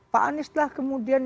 pak anies lah kemudian